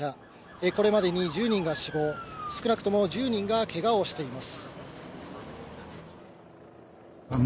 これまでに１０人が死亡、少なくとも１０人がけがをしています。